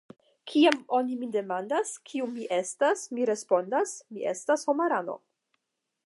Kiam oni min demandas, kiu mi estas, mi respondas: “Mi estas homarano.”